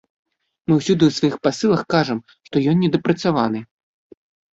Мы ўсюды ў сваіх пасылах кажам, што ён недапрацаваны.